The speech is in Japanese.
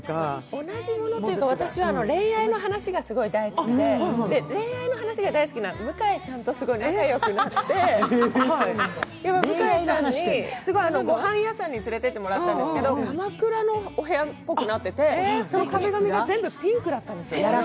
同じものというか、私は恋愛の話がすごい大好きで恋愛の話が大好きな向井さんとすごい仲良くなって、向井さんに、御飯屋さんに連れていってもらったんですけど、かまくらのお部屋っぽくなってて、壁紙がピンクだったんですよ。